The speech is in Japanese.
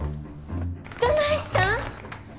どないしたん？